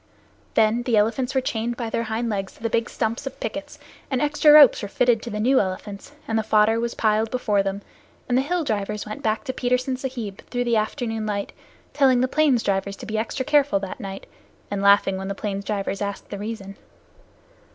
Then the elephants were chained by their hind legs to their big stumps of pickets, and extra ropes were fitted to the new elephants, and the fodder was piled before them, and the hill drivers went back to Petersen Sahib through the afternoon light, telling the plains drivers to be extra careful that night, and laughing when the plains drivers asked the reason.